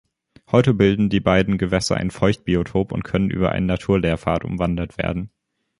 Heute bilden die beiden Gewässer ein Feuchtbiotop und können über einen Naturlehrpfad umwandert werden.